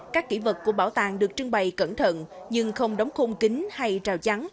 các kỹ vật của bảo tàng được trưng bày cẩn thận nhưng không đóng khung kính hay rào chắn